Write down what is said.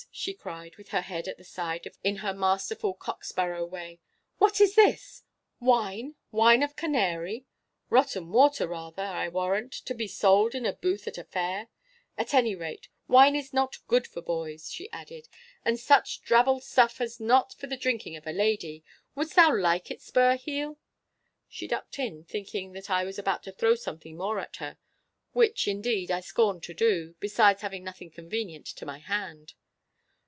she cried, with her head at the side in her masterful cock sparrow way. 'What is this? Wine, wine of Canary—rotten water rather, I warrant, to be sold in a booth at a fair? At any rate, wine is not good for boys,' she added, 'and such drabbled stuff is not for the drinking of a lady—wouldst thou like it, Spurheel?' She ducked in, thinking that I was about to throw something more at her—which, indeed, I scorned to do, besides having nothing convenient to my hand.